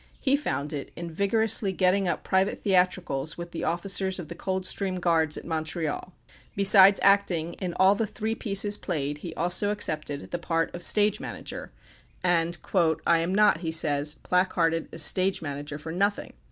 He found it in vigorously getting up private theatricals with the officers of the Coldstream Guards, at Montreal. Besides acting in all the three pieces played, he also accepted the part of stage manager; and "I am not," he says, "placarded as stage manager for nothing.